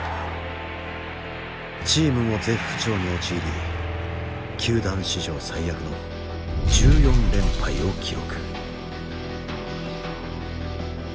チームも絶不調に陥り球団史上最悪の１４連敗を記録。